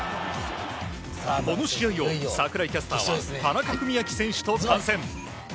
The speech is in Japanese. この試合を櫻井キャスターは田中史朗選手と観戦。